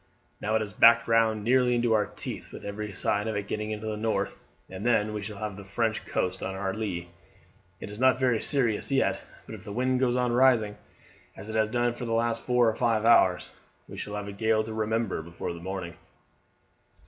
Now it has backed round nearly into our teeth, with every sign of its getting into the north, and then we shall have the French coast on our lee. It's not very serious yet, but if the wind goes on rising as it has done for the last four or five hours we shall have a gale to remember before the morning."